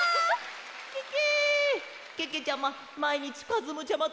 ケケ！